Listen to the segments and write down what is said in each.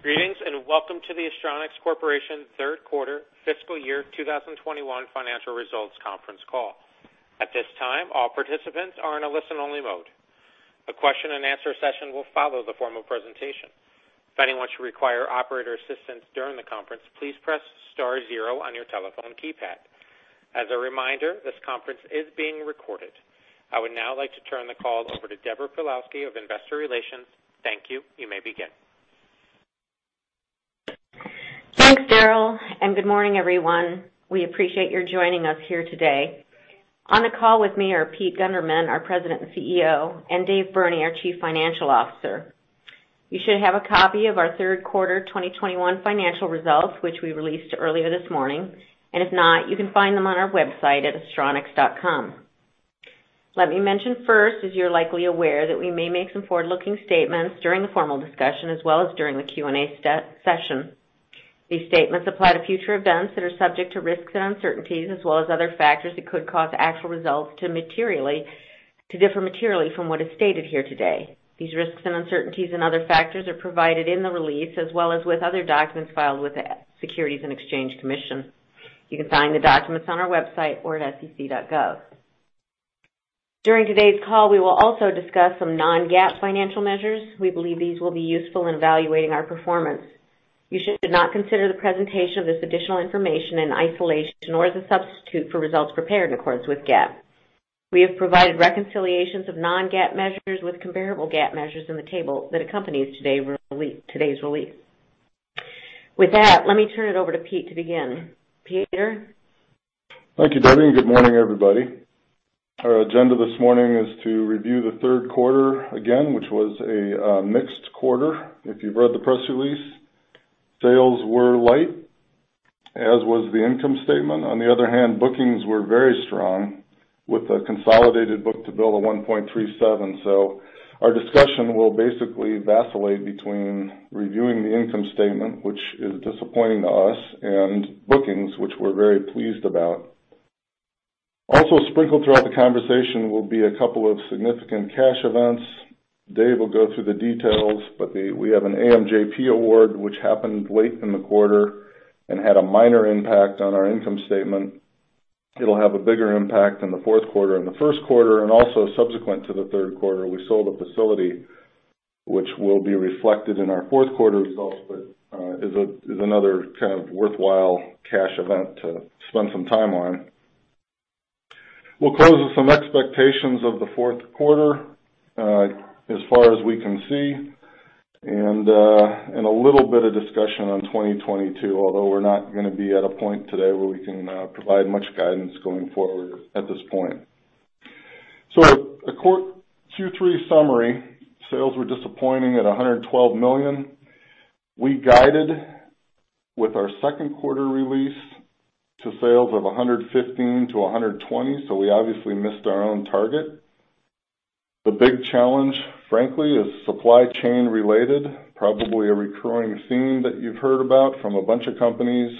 Greetings, and welcome to the Astronics Corporation Q3 fiscal year 2021 financial results conference call. At this time, all participants are in a listen-only mode. A question and answer session will follow the formal presentation. If anyone should require operator assistance during the conference, please press star zero on your telephone keypad. As a reminder, this conference is being recorded. I would now like to turn the call over to Deborah Pawlowski of Investor Relations. Thank you. You may begin. Thanks, Daryl, and good morning, everyone. We appreciate your joining us here today. On the call with me are Peter Gundermann, our President and CEO, and Dave Burney, our Chief Financial Officer. You should have a copy of our Q3 2021 financial results, which we released earlier this morning. If not, you can find them on our website at astronics.com. Let me mention first, as you're likely aware, that we may make some forward-looking statements during the formal discussion as well as during the Q&A session. These statements apply to future events that are subject to risks and uncertainties as well as other factors that could cause actual results to differ materially from what is stated here today. These risks and uncertainties and other factors are provided in the release as well as with other documents filed with the Securities and Exchange Commission. You can find the documents on our website or at sec.gov. During today's call, we will also discuss some non-GAAP financial measures. We believe these will be useful in evaluating our performance. You should not consider the presentation of this additional information in isolation or as a substitute for results prepared in accordance with GAAP. We have provided reconciliations of non-GAAP measures with comparable GAAP measures in the table that accompanies today's release. With that, let me turn it over to Pete to begin. Peter? Thank you, Debbie, and good morning, everybody. Our agenda this morning is to review the Q3 again, which was a mixed quarter. If you've read the press release, sales were light, as was the income statement. On the other hand, bookings were very strong with a consolidated book to bill of 1.37. Our discussion will basically vacillate between reviewing the income statement, which is disappointing to us, and bookings, which we're very pleased about. Also sprinkled throughout the conversation will be a couple of significant cash events. Dave will go through the details, but we have an AMJP award which happened late in the quarter and had a minor impact on our income statement. It'll have a bigger impact in the Q4 and the Q1. Also subsequent to the Q3, we sold a facility which will be reflected in our Q4 results, but is another kind of worthwhile cash event to spend some time on. We'll close with some expectations of the Q4, as far as we can see and a little bit of discussion on 2022, although we're not gonna be at a point today where we can provide much guidance going forward at this point. Q3 summary, sales were disappointing at $112 million. We guided with our Q2 release to sales of $115 million-$120 million, so we obviously missed our own target. The big challenge, frankly, is supply chain related, probably a recurring theme that you've heard about from a bunch of companies.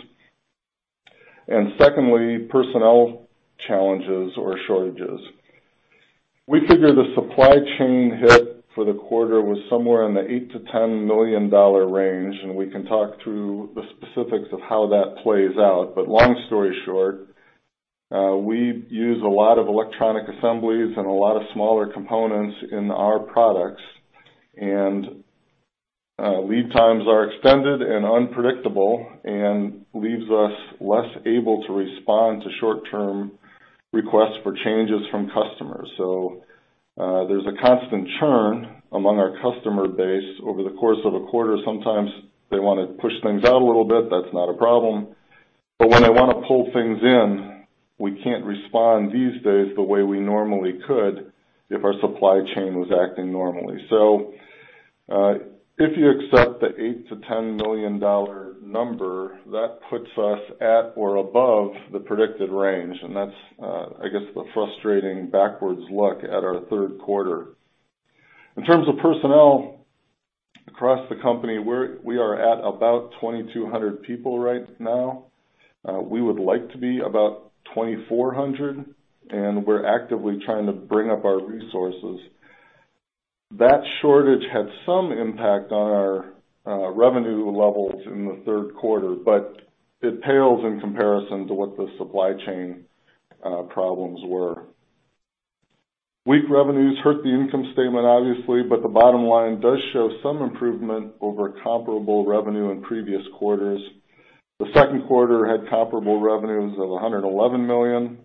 Secondly, personnel challenges or shortages. We figure the supply chain hit for the quarter was somewhere in the $8 million-$10 million range, and we can talk through the specifics of how that plays out. Long story short, we use a lot of electronic assemblies and a lot of smaller components in our products, and lead times are extended and unpredictable and leaves us less able to respond to short-term requests for changes from customers. There's a constant churn among our customer base over the course of a quarter. Sometimes they wanna push things out a little bit, that's not a problem. When they wanna pull things in, we can't respond these days the way we normally could if our supply chain was acting normally. If you accept the $8 million-$10 million number, that puts us at or above the predicted range, and that's, I guess the frustrating backwards look at our Q. In terms of personnel across the company, we are at about 2,200 people right now. We would like to be about 2,400, and we're actively trying to bring up our resources. That shortage had some impact on our revenue levels in the Q3, but it pales in comparison to what the supply chain problems were. Weak revenues hurt the income statement obviously, but the bottom line does show some improvement over comparable revenue in previous quarters. The Q2 had comparable revenues of $111 million,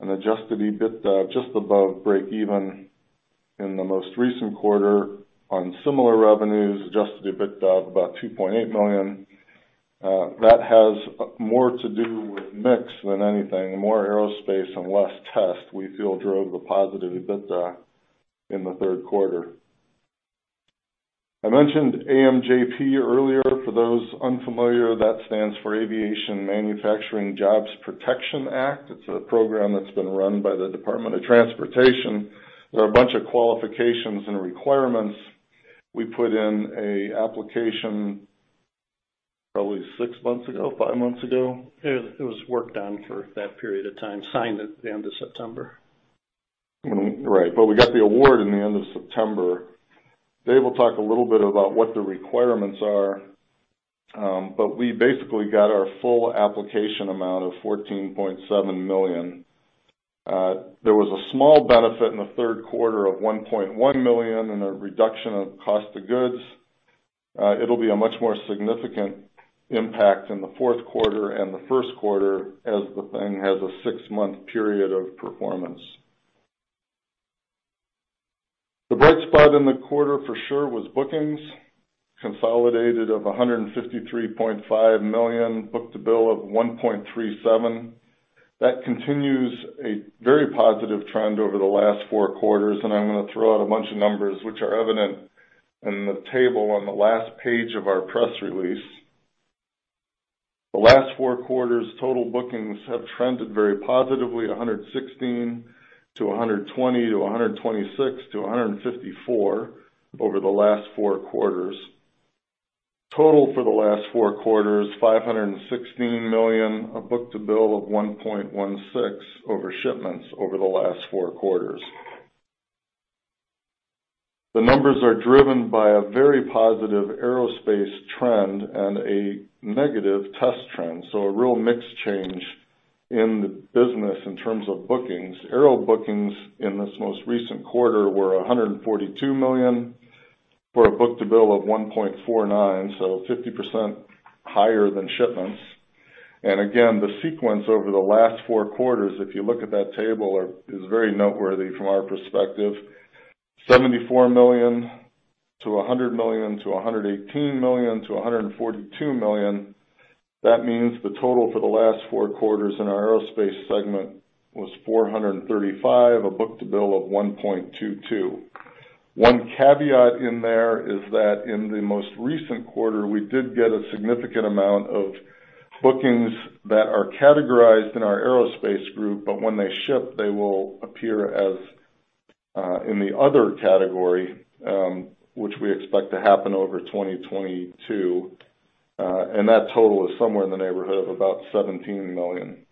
an adjusted EBITDA just above break even. In the most recent quarter on similar revenues, adjusted EBITDA of about $2.8 million. That has more to do with mix than anything. More aerospace and less test, we feel drove the positive EBITDA in the Q3. I mentioned AMJP earlier. For those unfamiliar, that stands for Aviation Manufacturing Jobs Protection Act. It's a program that's been run by the Department of Transportation. There are a bunch of qualifications and requirements. We put in an application, probably six months ago, five months ago? It was worked on for that period of time, signed at the end of September. Right. We got the award in the end of September. Dave will talk a little bit about what the requirements are, but we basically got our full application amount of $14.7 million. There was a small benefit in the Q3 of $1.1 million and a reduction of cost of goods. It'll be a much more significant impact in the Q4 and the Q1 as the thing has a six-month period of performance. The bright spot in the quarter for sure was bookings, consolidated of $153.5 million, book to bill of 1.37. That continues a very positive trend over the last four quarters, and I'm gonna throw out a bunch of numbers which are evident in the table on the last page of our press release. The last four quarters total bookings have trended very positively, 116-120, 126-154 over the last four quarters. Total for the last four quarters, $516 million, a book to bill of 1.16 over shipments over the last four quarters. The numbers are driven by a very positive aerospace trend and a negative test trend, so a real mix change in the business in terms of bookings. Aero bookings in this most recent quarter were $142 million for a book to bill of 1.49, so 50% higher than shipments. Again, the sequence over the last four quarters, if you look at that table, is very noteworthy from our perspective. $74 million-$100 million to $118 million-$142 million. That means the total for the last four quarters in our aerospace segment was $435 million, a book to bill of 1.22. One caveat in there is that in the most recent quarter, we did get a significant amount of bookings that are categorized in our aerospace group, but when they ship, they will appear as in the other category, which we expect to happen over 2022. That total is somewhere in the neighborhood of about $17 million.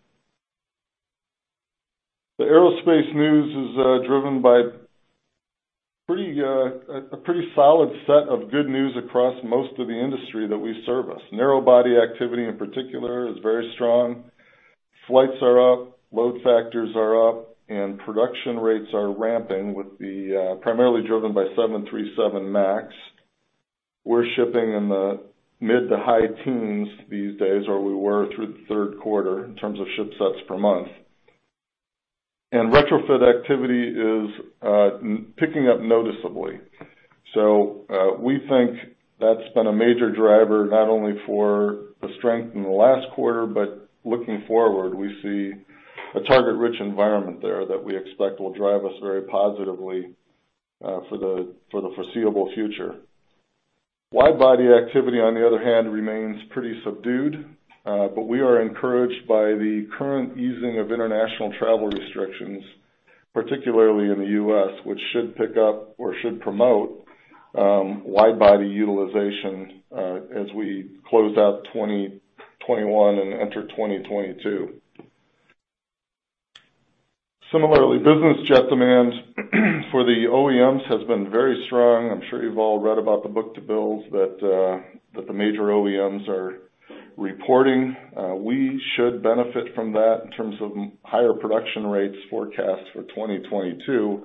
The aerospace news is driven by a pretty solid set of good news across most of the industry that we service. Narrow-body activity in particular is very strong. Flights are up, load factors are up, and production rates are ramping, with the primarily driven by 737 MAX. We're shipping in the mid- to high teens these days, or we were through the Q3 in terms of ship sets per month. Retrofit activity is picking up noticeably. We think that's been a major driver, not only for the strength in the last quarter, but looking forward, we see a target-rich environment there that we expect will drive us very positively for the foreseeable future. Wide body activity, on the other hand, remains pretty subdued, but we are encouraged by the current easing of international travel restrictions, particularly in the U.S., which should pick up or should promote wide body utilization as we close out 2021 and enter 2022. Similarly, business jet demand for the OEMs has been very strong. I'm sure you've all read about the book to bills that the major OEMs are reporting. We should benefit from that in terms of higher production rates forecast for 2022.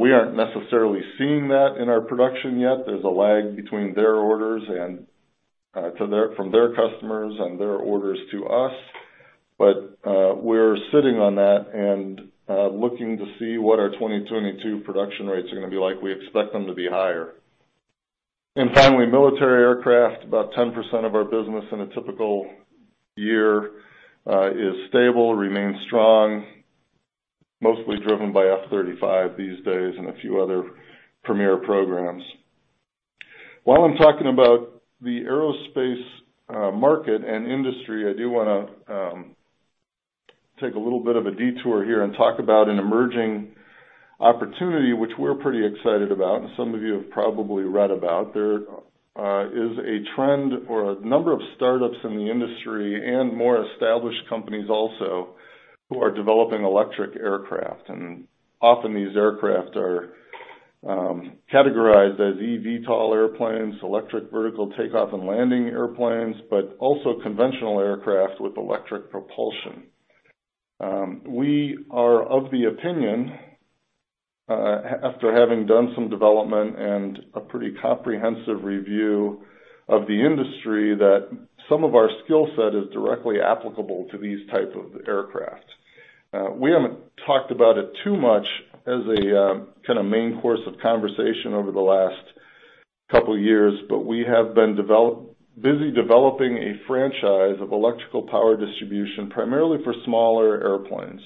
We aren't necessarily seeing that in our production yet. There's a lag between their orders from their customers and their orders to us. We're sitting on that and looking to see what our 2022 production rates are gonna be like. We expect them to be higher. Finally, military aircraft, about 10% of our business in a typical year, is stable, remains strong, mostly driven by F-35 these days and a few other premier programs. While I'm talking about the aerospace market and industry, I do wanna take a little bit of a detour here and talk about an emerging opportunity which we're pretty excited about, and some of you have probably read about. There is a trend for a number of startups in the industry and more established companies also who are developing electric aircraft. Often these aircraft are categorized as EVTOL airplanes, electric vertical takeoff and landing airplanes, but also conventional aircraft with electric propulsion. We are of the opinion after having done some development and a pretty comprehensive review of the industry, that some of our skill set is directly applicable to these type of aircraft. We haven't talked about it too much as a kinda main course of conversation over the last couple years, but we have been busy developing a franchise of electrical power distribution primarily for smaller airplanes.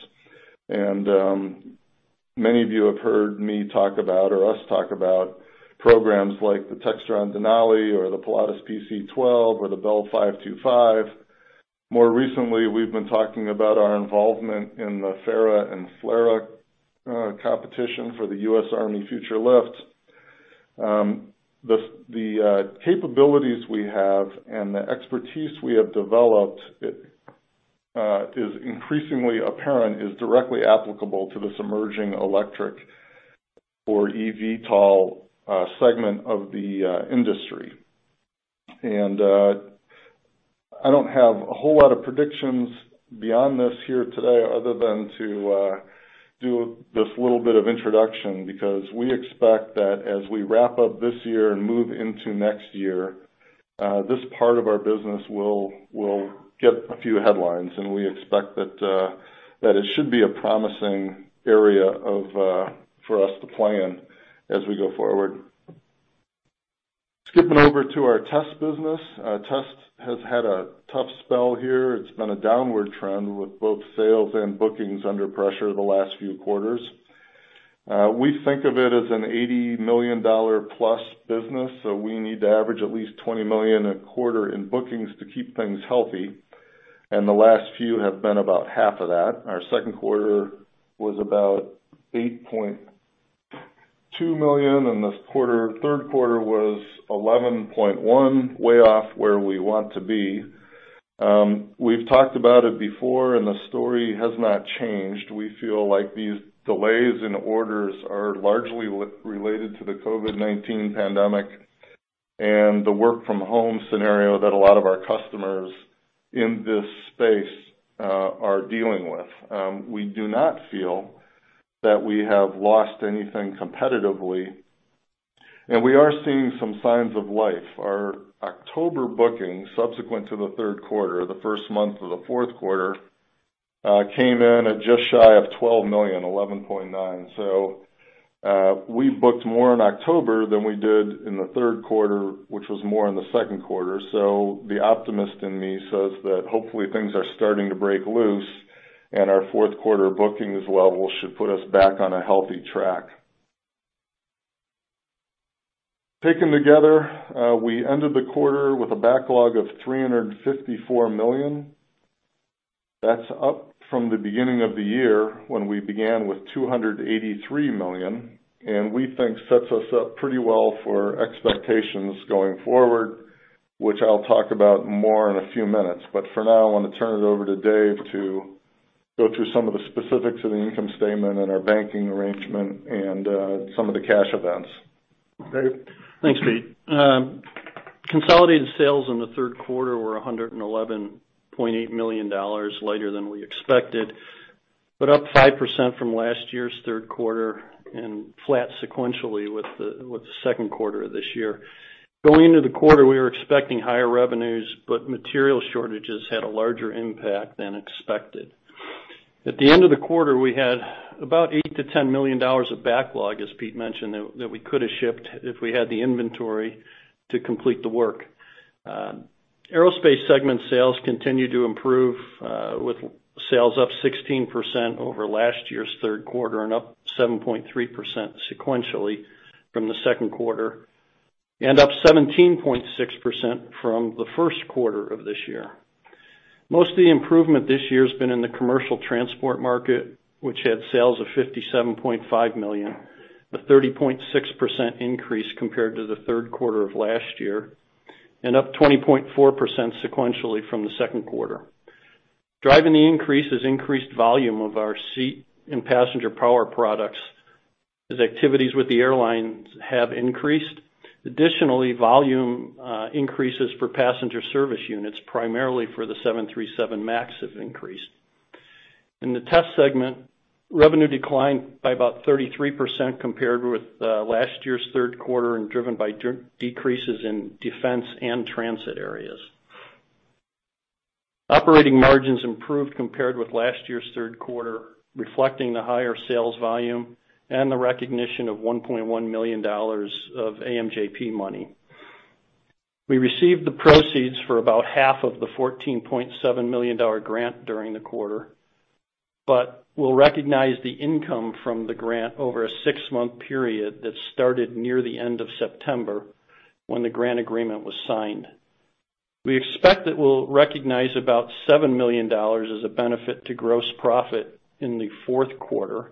Many of you have heard me talk about or us talk about programs like the Textron Denali or the Pilatus PC-12 or the Bell 525. More recently, we've been talking about our involvement in the FARA and FLRAA competition for the U.S. Army Future Vertical Lift. The capabilities we have and the expertise we have developed is increasingly apparent, is directly applicable to this emerging electric or eVTOL segment of the industry. I don't have a whole lot of predictions beyond this here today other than to do this little bit of introduction because we expect that as we wrap up this year and move into next year, this part of our business will get a few headlines, and we expect that it should be a promising area for us to play in as we go forward. Skipping over to our test business. Our test has had a tough spell here. It's been a downward trend with both sales and bookings under pressure the last few quarters. We think of it as an $80 million plus business, so we need to average at least $20 million a quarter in bookings to keep things healthy, and the last few have been about half of that. Our Q2 was about $8.2 million, and this quarter, Q3 was $11.1 million, way off where we want to be. We've talked about it before and the story has not changed. We feel like these delays in orders are largely related to the COVID-19 pandemic and the work from home scenario that a lot of our customers in this space are dealing with. We do not feel that we have lost anything competitively, and we are seeing some signs of life. Our October booking, subsequent to the Q3, the first month of the Q4, came in at just shy of $12 million, $11.9 million. We booked more in October than we did in the Q3, which was more in the Q2. The optimist in me says that hopefully things are starting to break loose and our Q4 bookings level should put us back on a healthy track. Taken together, we ended the quarter with a backlog of $354 million. That's up from the beginning of the year when we began with $283 million, and we think sets us up pretty well for expectations going forward, which I'll talk about more in a few minutes. For now, I wanna turn it over to Dave to go through some of the specifics of the income statement and our banking arrangement and some of the cash events. Dave? Thanks, Pete. Consolidated sales in the Q3 were $111.8 million, lighter than we expected, but up 5% from last year's Q3 and flat sequentially with the Q2 of this year. Going into the quarter, we were expecting higher revenues, but material shortages had a larger impact than expected. At the end of the quarter, we had about $8 million-$10 million of backlog, as Pete mentioned, that we could have shipped if we had the inventory to complete the work. Aerospace segment sales continued to improve, with sales up 16% over last year's Q3 and up 7.3% sequentially from the Q2, and up 17.6% from the Q1 of this year. Most of the improvement this year has been in the commercial transport market, which had sales of $57.5 million, a 30.6% increase compared to the Q3 of last year, and up 20.4% sequentially from the Q2. Driving the increase has increased volume of our seat and passenger power products as activities with the airlines have increased. Additionally, volume increases for passenger service units, primarily for the 737 MAX, have increased. In the test segment, revenue declined by about 33% compared with last year's Q3 and driven by decreases in defense and transit areas. Operating margins improved compared with last year's Q3, reflecting the higher sales volume and the recognition of $1.1 million of AMJP money. We received the proceeds for about half of the $14.7 million grant during the quarter, but we'll recognize the income from the grant over a six-month period that started near the end of September when the grant agreement was signed. We expect that we'll recognize about $7 million as a benefit to gross profit in the Q4,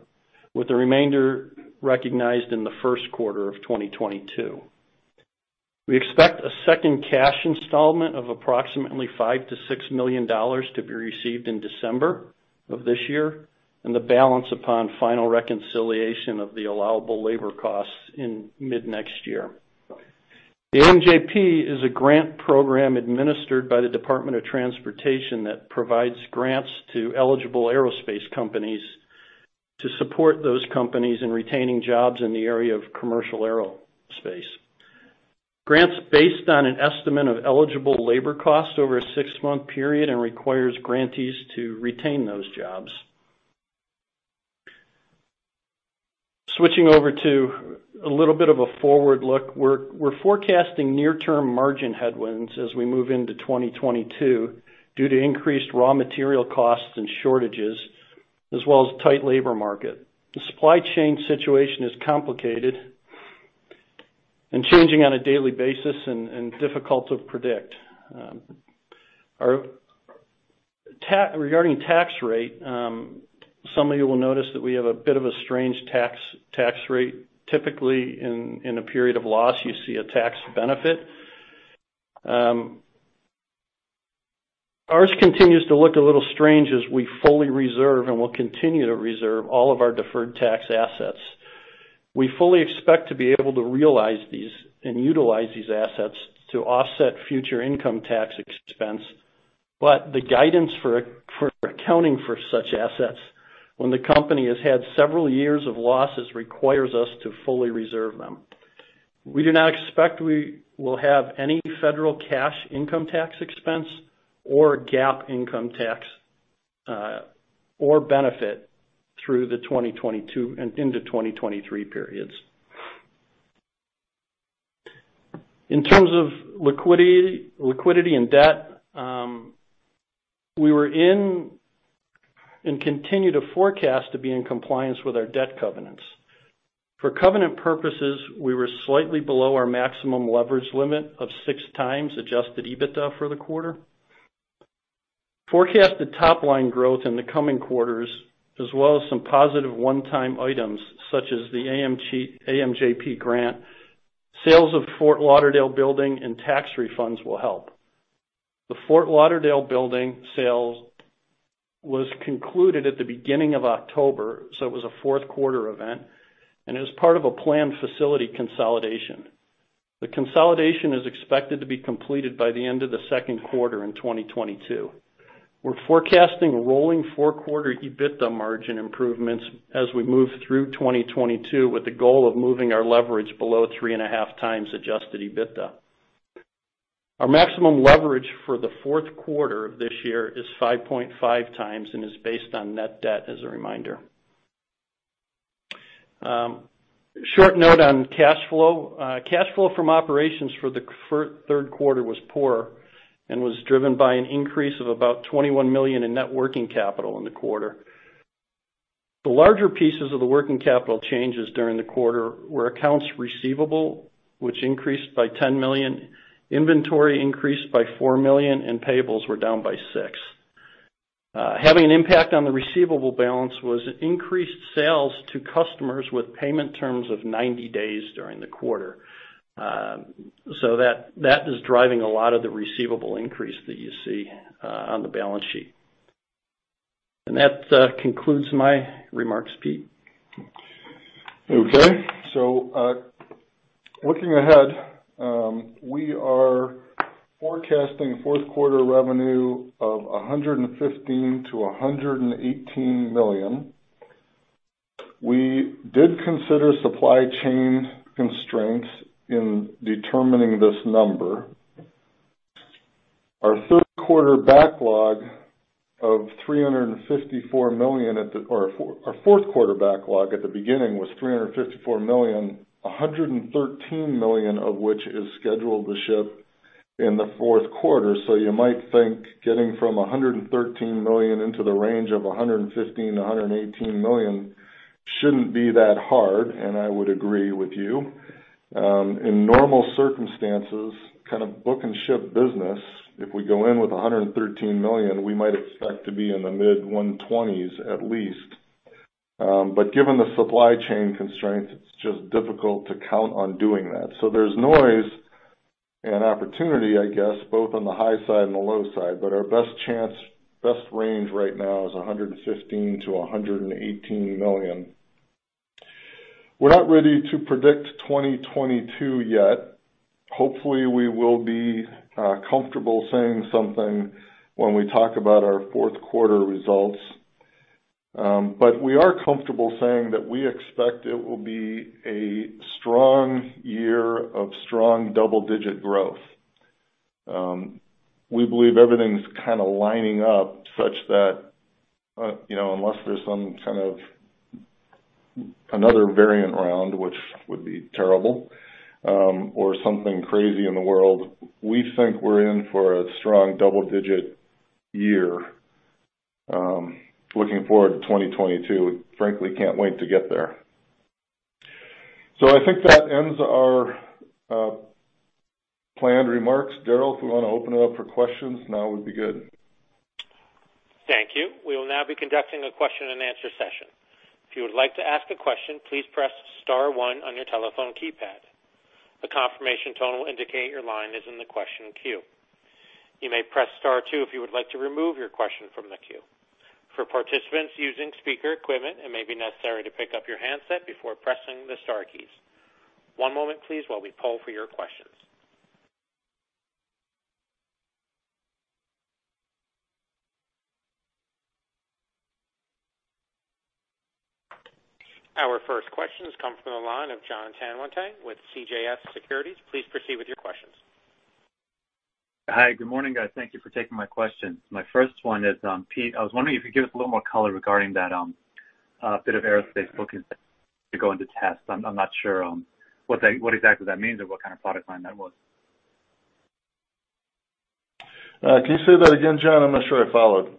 with the remainder recognized in the Q1 of 2022. We expect a second cash installment of approximately $5 million-$6 million to be received in December of this year and the balance upon final reconciliation of the allowable labor costs in mid next year. The AMJP is a grant program administered by the Department of Transportation that provides grants to eligible aerospace companies to support those companies in retaining jobs in the area of commercial aerospace. Grants based on an estimate of eligible labor costs over a 6-month period and requires grantees to retain those jobs. Switching over to a little bit of a forward look. We're forecasting near-term margin headwinds as we move into 2022 due to increased raw material costs and shortages, as well as tight labor market. The supply chain situation is complicated and changing on a daily basis and difficult to predict. Regarding tax rate, some of you will notice that we have a bit of a strange tax rate. Typically, in a period of loss, you see a tax benefit. Ours continues to look a little strange as we fully reserve and will continue to reserve all of our deferred tax assets. We fully expect to be able to realize these and utilize these assets to offset future income tax expense, but the guidance for accounting for such assets when the company has had several years of losses requires us to fully reserve them. We do not expect we will have any federal cash income tax expense or GAAP income tax, or benefit through the 2022 and into 2023 periods. In terms of liquidity and debt, we were in and continue to forecast to be in compliance with our debt covenants. For covenant purposes, we were slightly below our maximum leverage limit of 6x adjusted EBITDA for the quarter. Forecasted top line growth in the coming quarters, as well as some positive one-time items, such as the AMJP grant, sales of Fort Lauderdale building and tax refunds will help. The Fort Lauderdale building sale was concluded at the beginning of October, so it was a Q4 event, and it was part of a planned facility consolidation. The consolidation is expected to be completed by the end of the Q2 in 2022. We're forecasting rolling four-quarter EBITDA margin improvements as we move through 2022 with the goal of moving our leverage below 3.5x adjusted EBITDA. Our maximum leverage for the Q4 of this year is 5.5x and is based on net debt as a reminder. Short note on cash flow. Cash flow from operations for the Q3 was poor and was driven by an increase of about $21 million in net working capital in the quarter. The larger pieces of the working capital changes during the quarter were accounts receivable, which increased by $10 million, inventory increased by $4 million, and payables were down by $6 million. Having an impact on the receivable balance was increased sales to customers with payment terms of 90 days during the quarter. That is driving a lot of the receivable increase that you see on the balance sheet. That concludes my remarks, Pete. Okay. Looking ahead, we are forecasting Q4 revenue of $115 million-$118 million. We did consider supply chain constraints in determining this number. Our Q3 backlog of $354 million, or our Q4 backlog at the beginning was $354 million, $113 million of which is scheduled to ship in the Q4. You might think getting from $113 million into the range of $115 million-$118 million shouldn't be that hard, and I would agree with you. In normal circumstances, kind of book and ship business, if we go in with $113 million, we might expect to be in the mid-120s at least. Given the supply chain constraints, it's just difficult to count on doing that. There's noise and opportunity, I guess, both on the high side and the low side. Our best chance, best range right now is $115 million-$118 million. We're not ready to predict 2022 yet. Hopefully, we will be comfortable saying something when we talk about our Q4 results. We are comfortable saying that we expect it will be a strong year of strong double-digit growth. We believe everything's kinda lining up such that, you know, unless there's some kind of another variant round, which would be terrible, or something crazy in the world, we think we're in for a strong double-digit year, looking forward to 2022. Frankly, can't wait to get there. I think that ends our planned remarks. Daryl, if we wanna open it up for questions, now would be good. Thank you. We will now be conducting a question and answer session. If you would like to ask a question, please press star one on your telephone keypad. A confirmation tone will indicate your line is in the question queue. You may press star two if you would like to remove your question from the queue. For participants using speaker equipment, it may be necessary to pick up your handset before pressing the star keys. One moment, please, while we poll for your questions. Our first question comes from the line of Jon Tanwanteng with CJS Securities. Please proceed with your questions. Hi, good morning, guys. Thank you for taking my questions. My first one is, Pete, I was wondering if you could give us a little more color regarding that bit of Aero book-to-bill. I'm not sure what exactly that means or what kind of product line that was. Can you say that again, Jon? I'm not sure I followed.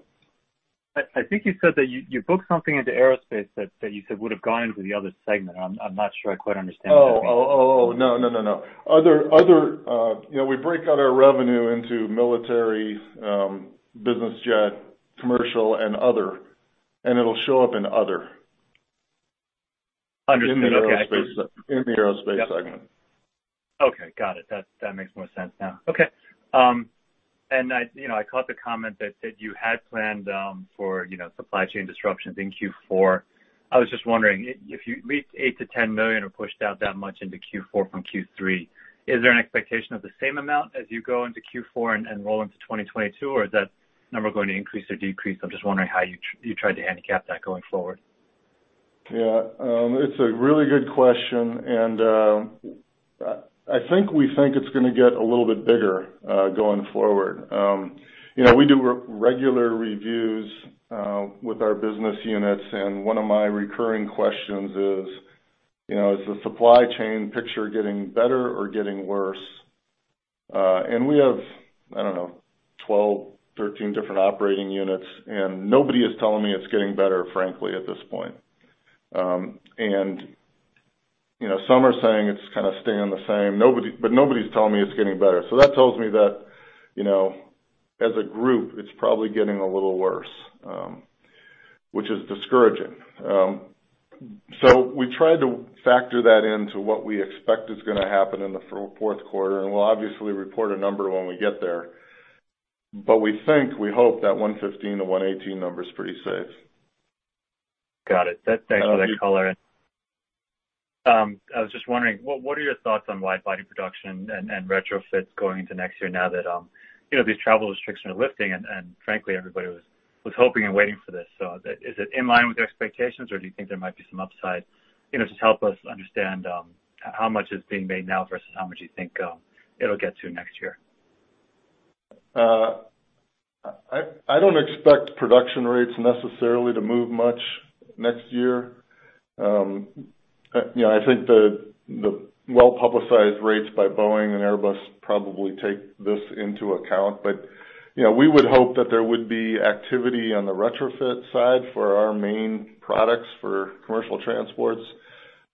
I think you said that you booked something into aerospace that you said would have gone into the other segment. I'm not sure I quite understand that. Other. You know, we break out our revenue into military, business jet, commercial, and other, and it'll show up in other. Understood. Okay. In the Aerospace segment. Yep. Okay. Got it. That makes more sense now. Okay. And you know, I caught the comment that said you had planned for you know, supply chain disruptions in Q4. I was just wondering, at least $8 million-$10 million are pushed out that much into Q4 from Q3. Is there an expectation of the same amount as you go into Q4 and roll into 2022, or is that number going to increase or decrease? I'm just wondering how you tried to handicap that going forward. Yeah, it's a really good question, and I think we think it's gonna get a little bit bigger going forward. You know, we do regular reviews with our business units, and one of my recurring questions is, you know, is the supply chain picture getting better or getting worse? We have, I don't know, 12, 13 different operating units, and nobody is telling me it's getting better, frankly, at this point. You know, some are saying it's kind of staying the same. Nobody but nobody's telling me it's getting better. That tells me that, you know, as a group, it's probably getting a little worse, which is discouraging. We try to factor that into what we expect is gonna happen in the Q4, and we'll obviously report a number when we get there. We think, we hope, that 115-118 number's pretty safe. Got it. That's actually a color. I was just wondering, what are your thoughts on wide-body production and retrofits going into next year now that, you know, these travel restrictions are lifting and frankly, everybody was hoping and waiting for this? So is it in line with your expectations, or do you think there might be some upside? You know, just help us understand, how much is being made now versus how much you think it'll get to next year. I don't expect production rates necessarily to move much next year. You know, I think the well-publicized rates by Boeing and Airbus probably take this into account. You know, we would hope that there would be activity on the retrofit side for our main products for commercial transports,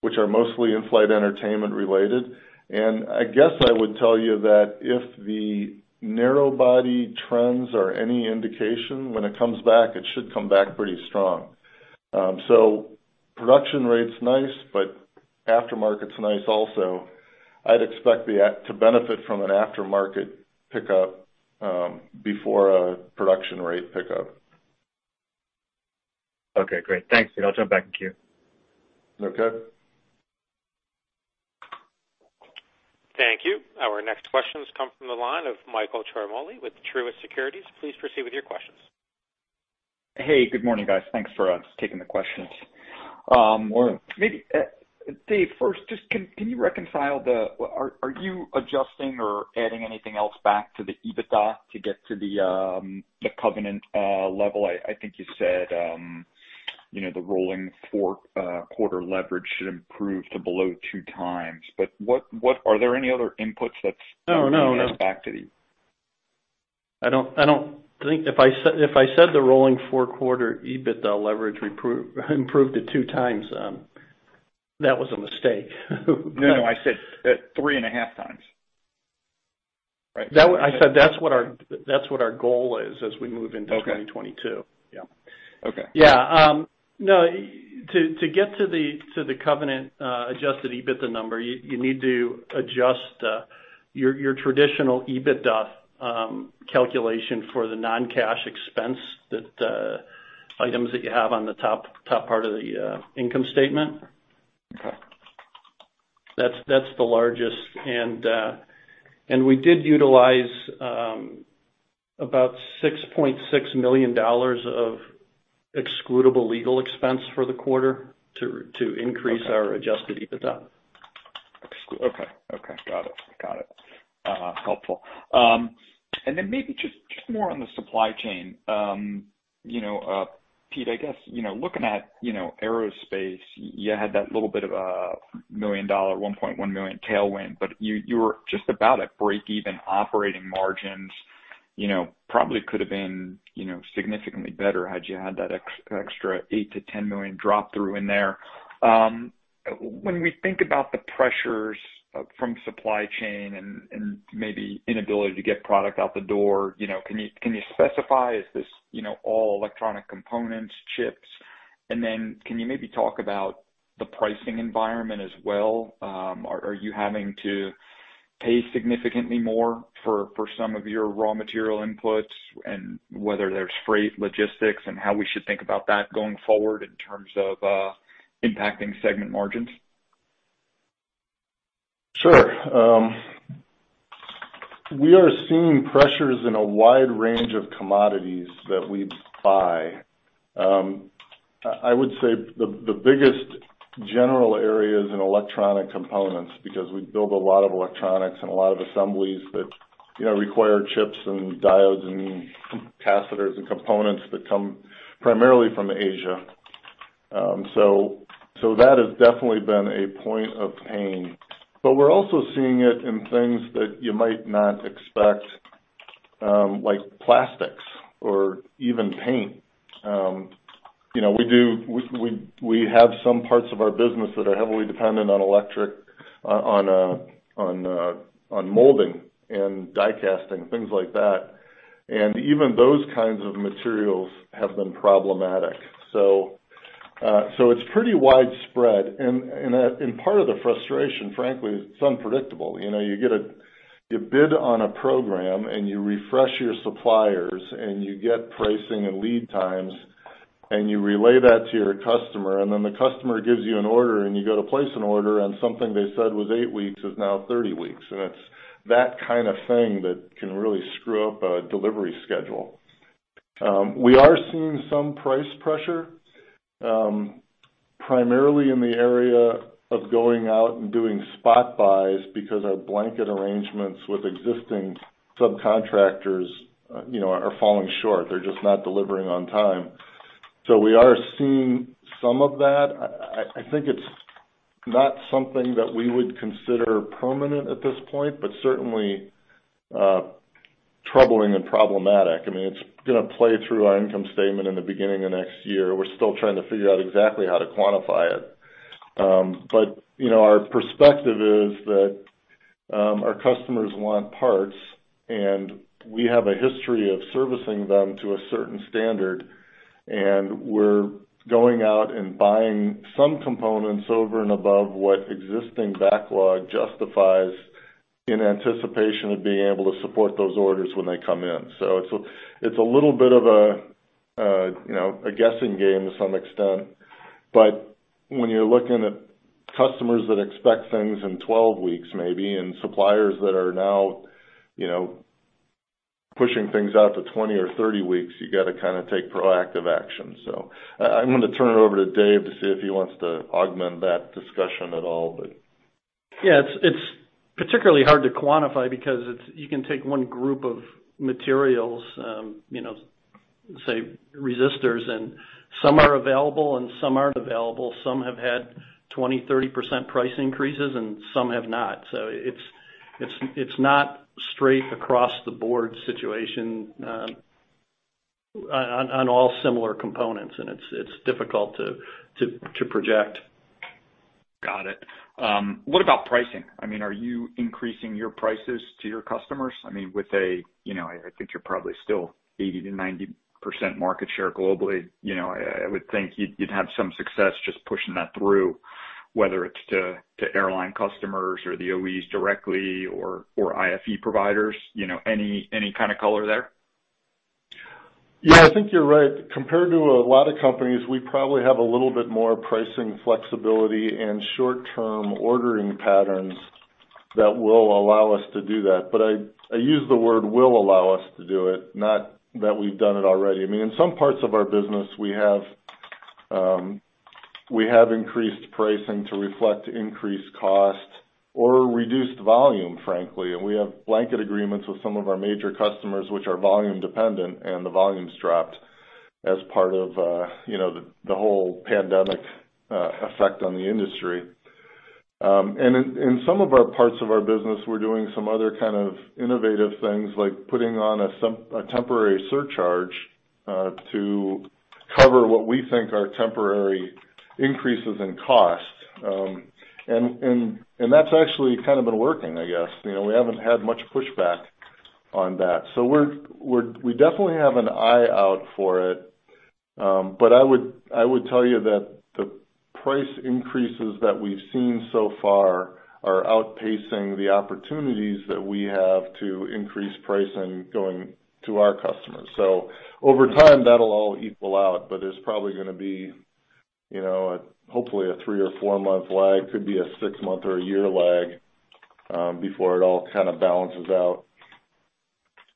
which are mostly in-flight entertainment related. I guess I would tell you that if the narrow-body trends are any indication, when it comes back, it should come back pretty strong. Production rate's nice, but aftermarket's nice also. I'd expect to benefit from an aftermarket pickup before a production rate pickup. Okay, great. Thanks. I'll jump back in queue. Okay. Thank you. Our next questions come from the line of Michael Ciarmoli with Truist Securities. Please proceed with your questions. Hey, good morning, guys. Thanks for taking the questions. Maybe, Dave, first, just can you reconcile the. Are you adjusting or adding anything else back to the EBITDA to get to the covenant level? I think you said, you know, the rolling four-quarter leverage should improve to below two times. What. Are there any other inputs that's No, no back to the- I don't think. If I said the rolling four-quarter EBITDA leverage improved to 2x, that was a mistake. No, I said, 3.5 times. Right. I said that's what our goal is as we move into 2022. Okay. Yeah. Okay. Yeah. No, to get to the covenant adjusted EBITDA number, you need to adjust your traditional EBITDA calculation for the non-cash expense items that you have on the top part of the income statement. Okay. That's the largest. We did utilize about $6.6 million of excludable legal expense for the quarter to increase Okay. our adjusted EBITDA. Okay. Got it. Helpful. Maybe just more on the supply chain. You know, Pete, I guess, you know, looking at Aerospace, you had that little bit of $1.1 million tailwind, but you were just about at breakeven operating margins. You know, probably could have been, you know, significantly better had you had that extra $8 million-$10 million drop through in there. When we think about the pressures from supply chain and maybe inability to get product out the door, you know, can you specify, is this all electronic components, chips? And then can you maybe talk about the pricing environment as well? Are you having to pay significantly more for some of your raw material inputs, and whether there's freight, logistics, and how we should think about that going forward in terms of impacting segment margins? Sure. We are seeing pressures in a wide range of commodities that we buy. I would say the biggest general area is in electronic components, because we build a lot of electronics and a lot of assemblies that, you know, require chips and diodes and capacitors and components that come primarily from Asia. That has definitely been a point of pain. We're also seeing it in things that you might not expect, like plastics or even paint. You know, we have some parts of our business that are heavily dependent on molding and die casting, things like that. Even those kinds of materials have been problematic. It's pretty widespread. Part of the frustration, frankly. It's unpredictable. You know, you bid on a program, and you refresh your suppliers, and you get pricing and lead times, and you relay that to your customer, and then the customer gives you an order, and you go to place an order, and something they said was 8 weeks is now 30 weeks. It's that kind of thing that can really screw up a delivery schedule. We are seeing some price pressure, primarily in the area of going out and doing spot buys because our blanket arrangements with existing subcontractors, you know, are falling short. They're just not delivering on time. We are seeing some of that. I think it's not something that we would consider permanent at this point, but certainly, troubling and problematic. I mean, it's gonna play through our income statement in the beginning of next year. We're still trying to figure out exactly how to quantify it. You know, our perspective is that our customers want parts, and we have a history of servicing them to a certain standard, and we're going out and buying some components over and above what existing backlog justifies in anticipation of being able to support those orders when they come in. It's a little bit of a you know, a guessing game to some extent. When you're looking at customers that expect things in 12 weeks maybe, and suppliers that are now you know, pushing things out to 20 or 30 weeks, you gotta kinda take proactive action. I'm gonna turn it over to Dave to see if he wants to augment that discussion at all. Yeah, it's particularly hard to quantify because it's, you can take one group of materials, you know, say resistors, and some are available and some aren't available. Some have had 20%, 30% price increases, and some have not. It's not straight across the board situation, on all similar components, and it's difficult to project. Got it. What about pricing? I mean, are you increasing your prices to your customers? I mean, with a you know, I think you're probably still 80%-90% market share globally. You know, I would think you'd have some success just pushing that through, whether it's to airline customers or the OEs directly or IFE providers. You know, any kind of color there? Yeah, I think you're right. Compared to a lot of companies, we probably have a little bit more pricing flexibility and short-term ordering patterns that will allow us to do that. But I use the word will allow us to do it, not that we've done it already. I mean, in some parts of our business, we have increased pricing to reflect increased costs or reduced volume, frankly. We have blanket agreements with some of our major customers, which are volume dependent, and the volumes dropped as part of the whole pandemic effect on the industry. In some of our parts of our business, we're doing some other kind of innovative things like putting on a temporary surcharge to cover what we think are temporary increases in cost. That's actually kind of been working, I guess. You know, we haven't had much pushback on that. We definitely have an eye out for it. I would tell you that the price increases that we've seen so far are outpacing the opportunities that we have to increase pricing going to our customers. Over time, that'll all equal out, but there's probably gonna be, you know, hopefully a 3- or 4-month lag, could be a 6-month or a year lag, before it all kind of balances out.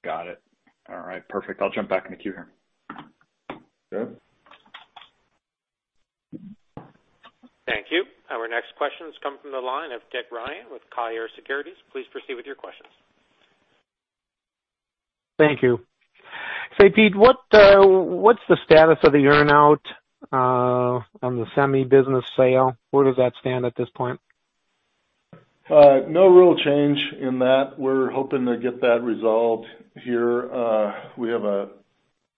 Got it. All right. Perfect. I'll jump back in the queue here. Good. Thank you. Our next question comes from the line of Dick Ryan with Colliers Securities. Please proceed with your questions. Thank you. Say, Pete, what's the status of the earn-out on the semiconductor business sale? Where does that stand at this point? No real change in that. We're hoping to get that resolved here. We have an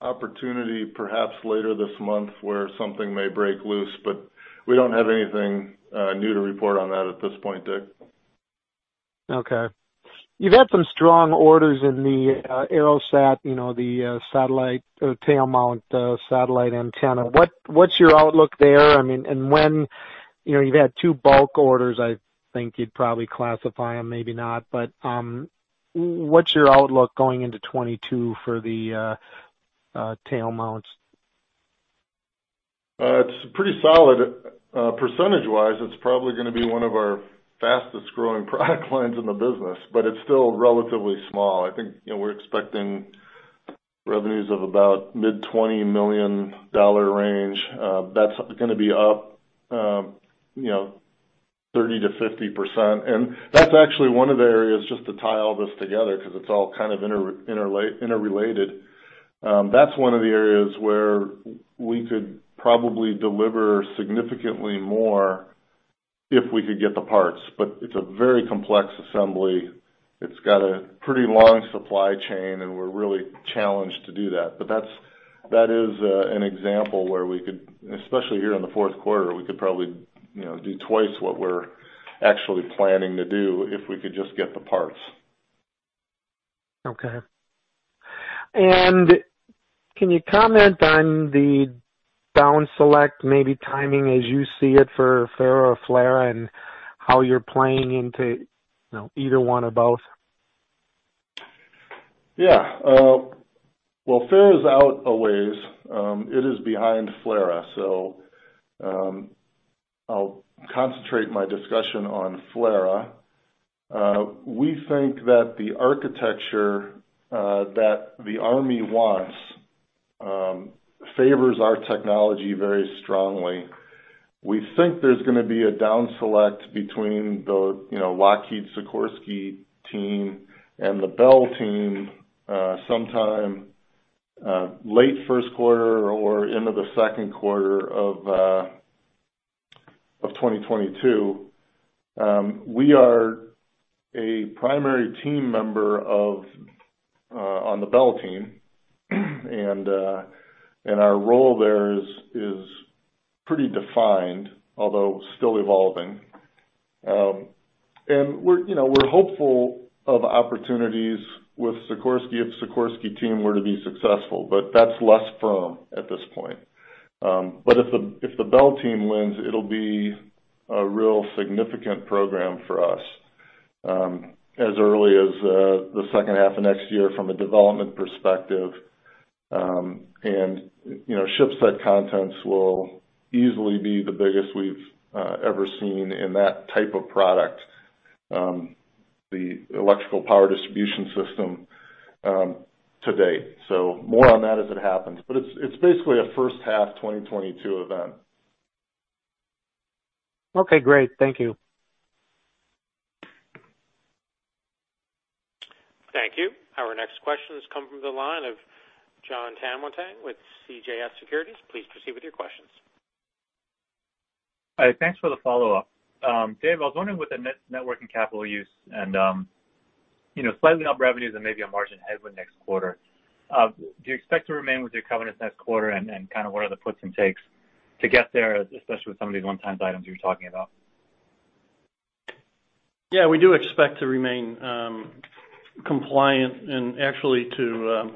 opportunity perhaps later this month where something may break loose, but we don't have anything new to report on that at this point, Dick. Okay. You've had some strong orders in the AeroSat, you know, the satellite tail mount satellite antenna. What's your outlook there? You know, you've had two bulk orders, I think you'd probably classify them, maybe not. What's your outlook going into 2022 for the tail mounts? It's pretty solid. Percentage-wise, it's probably gonna be one of our fastest-growing product lines in the business, but it's still relatively small. I think, you know, we're expecting revenues of about mid-$20 million range. That's gonna be up, you know, 30%-50%. That's actually one of the areas just to tie all this together 'cause it's all kind of interrelated. That's one of the areas where we could probably deliver significantly more if we could get the parts. But it's a very complex assembly. It's got a pretty long supply chain, and we're really challenged to do that. But that is an example where we could, especially here in the Q4, we could probably, you know, do twice what we're actually planning to do if we could just get the parts. Okay. Can you comment on the down select, maybe timing as you see it for FARA or FLRAA and how you're playing into, you know, either one or both? Yeah. Well, FARA is out a ways. It is behind FLRAA. I'll concentrate my discussion on FLRAA. We think that the architecture that the army wants favors our technology very strongly. We think there's gonna be a down select between the, you know, Lockheed/Sikorsky team and the Bell team, sometime, late Q1 or into the Q2 of 2022. We are a primary team member on the Bell team. Our role there is pretty defined, although still evolving. We're, you know, hopeful of opportunities with Sikorsky if Sikorsky team were to be successful, but that's less firm at this point. If the Bell team wins, it'll be a real significant program for us, as early as the second half of next year from a development perspective. You know, ship set contents will easily be the biggest we've ever seen in that type of product, the electrical power distribution system, to date. More on that as it happens. It's basically a first half 2022 event. Okay, great. Thank you. Thank you. Our next question comes from the line of Jon Tanwanteng with CJS Securities. Please proceed with your questions. Hi. Thanks for the follow-up. Dave, I was wondering with the net working capital use and, you know, slightly up revenues and maybe a margin headwind next quarter, do you expect to remain with your covenants next quarter and kind of what are the puts and takes to get there, especially with some of these one-time items you're talking about? Yeah, we do expect to remain compliant and actually to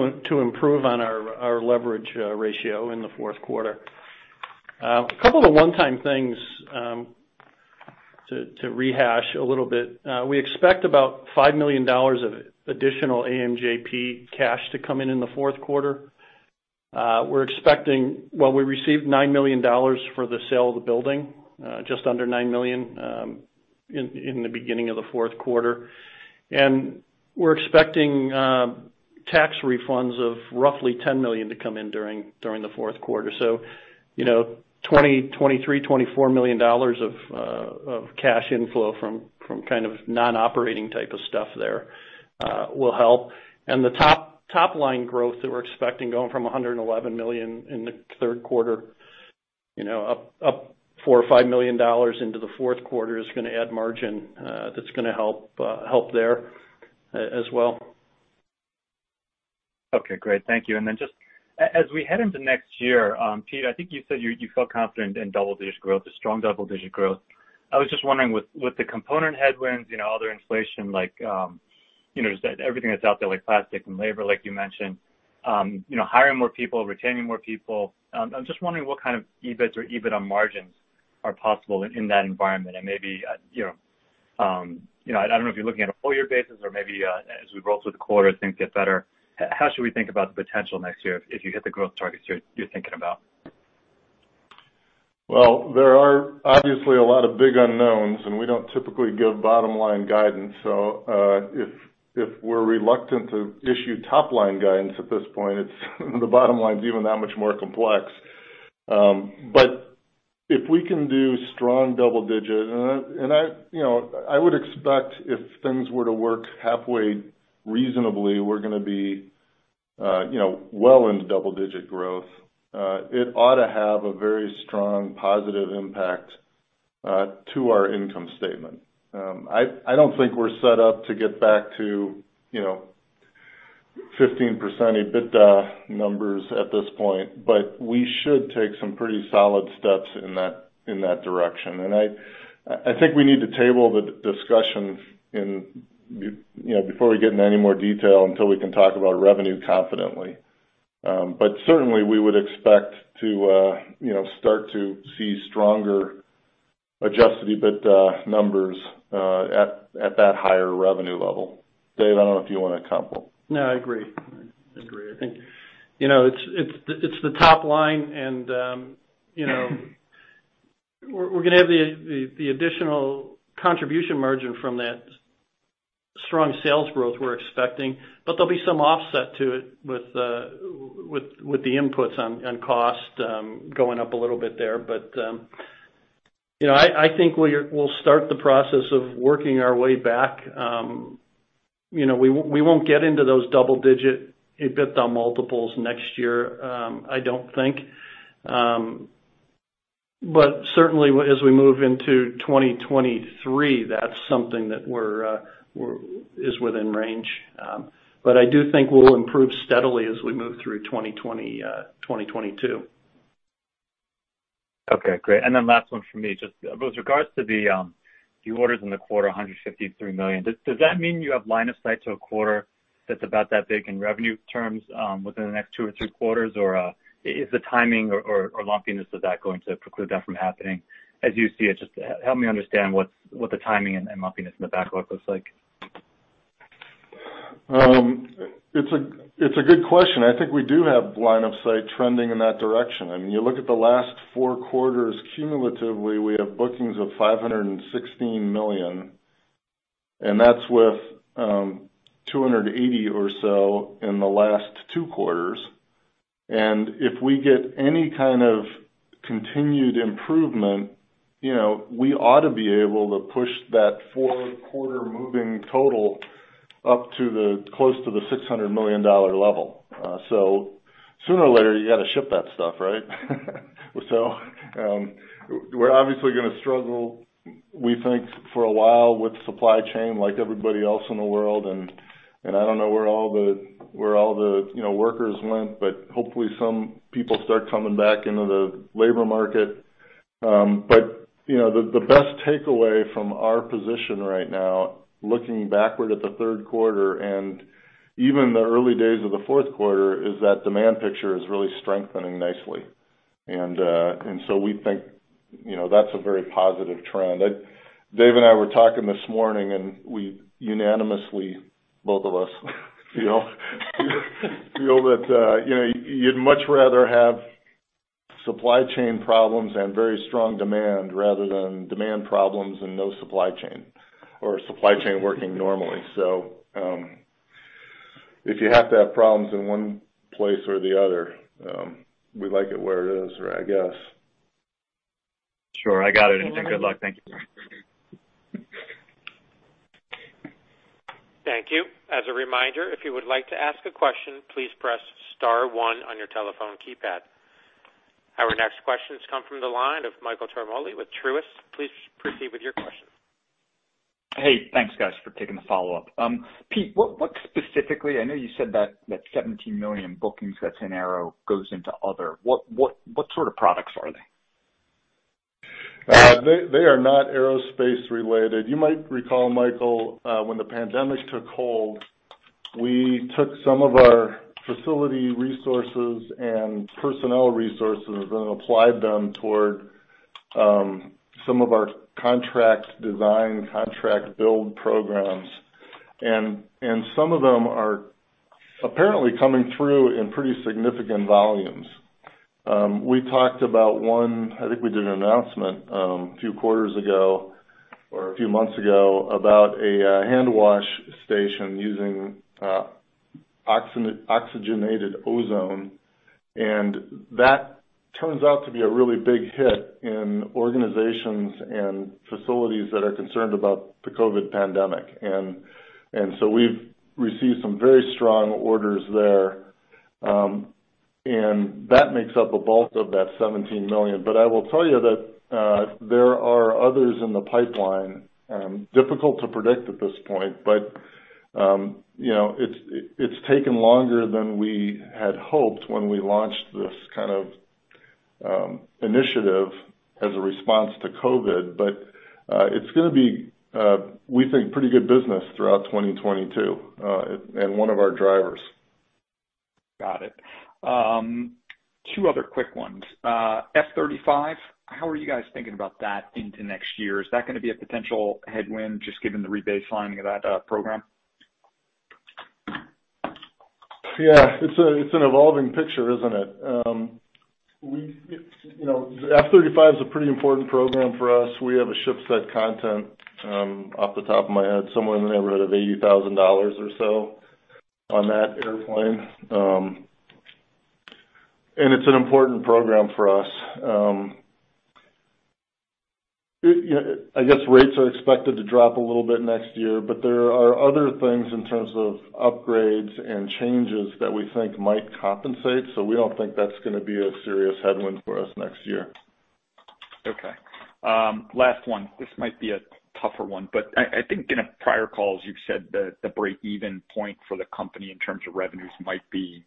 improve on our leverage ratio in the Q4. A couple of one-time things to rehash a little bit. We expect about $5 million of additional AMJP cash to come in in the Q4. Well, we received $9 million for the sale of the building, just under $9 million, in the beginning of the Q4. We're expecting tax refunds of roughly $10 million to come in during the Q4. You know, $23 million-$24 million of cash inflow from kind of non-operating type of stuff there will help. The top line growth that we're expecting going from $111 million in the Q3, you know, up $4 million or $5 million into the Q4 is gonna add margin. That's gonna help there as well. Okay, great. Thank you. Just as we head into next year, Pete, I think you said you felt confident in double-digit growth, a strong double-digit growth. I was just wondering with the component headwinds, you know, other inflation like, you know, just everything that's out there, like plastic and labor like you mentioned, you know, hiring more people, retaining more people, I'm just wondering what kind of EBIT or EBITDA margins are possible in that environment. Maybe, you know, you know, I don't know if you're looking at a full year basis or maybe, as we roll through the quarter, things get better. How should we think about the potential next year if you hit the growth targets you're thinking about? Well, there are obviously a lot of big unknowns, and we don't typically give bottom-line guidance. If we're reluctant to issue top-line guidance at this point, it's the bottom line is even that much more complex. If we can do strong double-digit, and I, you know, I would expect if things were to work halfway reasonably, we're gonna be, you know, well into double-digit growth. It ought to have a very strong positive impact to our income statement. I don't think we're set up to get back to, you know, 15% EBITDA numbers at this point. We should take some pretty solid steps in that direction. I think we need to table the discussion, you know, before we get into any more detail until we can talk about revenue confidently. Certainly we would expect to you know start to see stronger adjusted EBITDA numbers at that higher revenue level. Dave, I don't know if you wanna comment. No, I agree. I think it's the top line and we're gonna have the additional contribution margin from that. Strong sales growth we're expecting, there'll be some offset to it with the inputs on cost going up a little bit there. I think we'll start the process of working our way back. We won't get into those double digit EBITDA multiples next year, I don't think. Certainly as we move into 2023, that's something that is within range. I do think we'll improve steadily as we move through 2020, 2022. Okay. Great. Last one for me. Just with regards to the orders in the quarter, $153 million, does that mean you have line of sight to a quarter that's about that big in revenue terms within the next two or three quarters? Or is the timing or lumpiness of that going to preclude that from happening as you see it? Just help me understand what the timing and lumpiness in the backlog looks like. It's a good question. I think we do have line of sight trending in that direction. I mean, you look at the last four quarters cumulatively, we have bookings of $516 million, and that's with $280 or so in the last two quarters. If we get any kind of continued improvement, you know, we ought to be able to push that forward quarter moving total up to close to the $600 million level. Sooner or later, you gotta ship that stuff, right? We're obviously gonna struggle, we think, for a while with supply chain like everybody else in the world. I don't know where all the workers went, but hopefully some people start coming back into the labor market. You know, the best takeaway from our position right now, looking backward at the Q3 and even the early days of the Q4, is that demand picture is really strengthening nicely. We think, you know, that's a very positive trend. Dave and I were talking this morning, and we unanimously, both of us, you know, feel that, you know, you'd much rather have supply chain problems and very strong demand rather than demand problems and no supply chain, or supply chain working normally. If you have to have problems in one place or the other, we like it where it is, I guess. Sure. I got it. Good luck. Thank you. Thank you. Thank you. As a reminder, if you would like to ask a question, please press star one on your telephone keypad. Our next questions come from the line of Michael Ciarmoli with Truist. Please proceed with your question. Hey, thanks guys for taking the follow-up. Pete, what specifically I know you said that 17 million bookings that's in Aero goes into other. What sort of products are they? They are not aerospace related. You might recall, Michael, when the pandemic took hold, we took some of our facility resources and personnel resources and applied them toward some of our contract design, contract build programs. Some of them are apparently coming through in pretty significant volumes. We talked about one, I think we did an announcement a few quarters ago or a few months ago, about a hand wash station using aqueous ozone, and that turns out to be a really big hit in organizations and facilities that are concerned about the COVID pandemic. We've received some very strong orders there, and that makes up a bulk of that $17 million. I will tell you that there are others in the pipeline. Difficult to predict at this point, but you know, it's taken longer than we had hoped when we launched this kind of initiative as a response to COVID. It's gonna be, we think, pretty good business throughout 2022 and one of our drivers. Got it. Two other quick ones. F-35, how are you guys thinking about that into next year? Is that gonna be a potential headwind just given the rebaselining of that program? Yeah. It's an evolving picture, isn't it? You know, F-35 is a pretty important program for us. We have a ship set content, off the top of my head, somewhere in the neighborhood of 80,000 or so on that airplane. And it's an important program for us. I guess rates are expected to drop a little bit next year, but there are other things in terms of upgrades and changes that we think might compensate. We don't think that's gonna be a serious headwind for us next year. Okay. Last one, this might be a tougher one, but I think in prior calls you've said that the break even point for the company in terms of revenues might be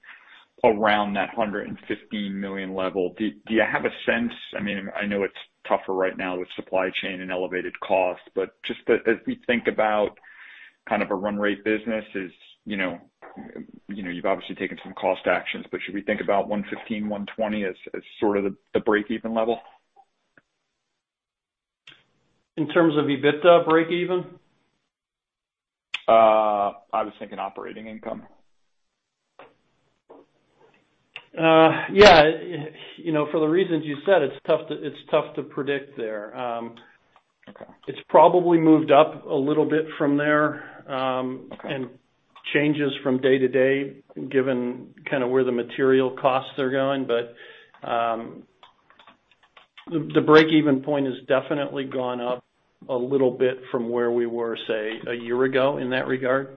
around that $115 million level. Do you have a sense? I mean, I know it's tougher right now with supply chain and elevated costs, but just as we think about kind of a run rate business is, you know, you've obviously taken some cost actions, but should we think about $115, $120 as sort of the break even level? In terms of EBITDA break even? I was thinking operating income. Yeah. You know, for the reasons you said, it's tough to predict there. Okay. It's probably moved up a little bit from there. Okay. Changes from day to day, given kind of where the material costs are going. The breakeven point has definitely gone up a little bit from where we were, say, a year ago in that regard.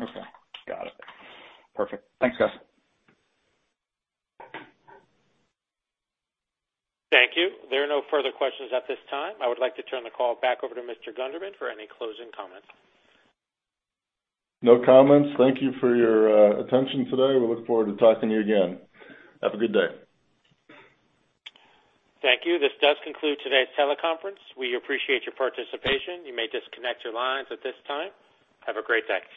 Okay. Got it. Perfect. Thanks, guys. Thank you. There are no further questions at this time. I would like to turn the call back over to Mr. Gundermann for any closing comments. No comments. Thank you for your attention today. We look forward to talking to you again. Have a good day. Thank you. This does conclude today's teleconference. We appreciate your participation. You may disconnect your lines at this time. Have a great day.